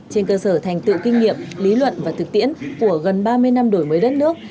trên cơ sở thành tựu kinh nghiệm lý luận và thực tiễn của gần ba mươi năm đổi mới đất nước